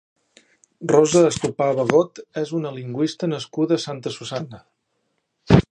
Rosa Estopà Bagot és una lingüista nascuda a Santa Susanna.